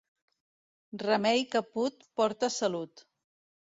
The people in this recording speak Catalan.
Remei que put porta salut.